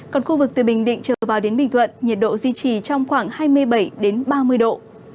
còn khu vực từ bình định trở vào đến bình thuận nhiệt độ duy trì trong khoảng hai mươi bảy ba mươi độ